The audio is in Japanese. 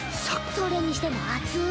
それにしても暑ぅ。